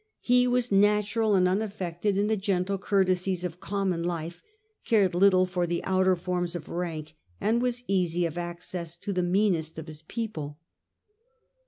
He was natural and unaffected in the gentle courtesies of common life, cared little for the outer forms of rank, and was easy of access to the meanest of his people.